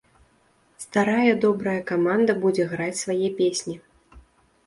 Старая добрая каманда будзе граць свае песні.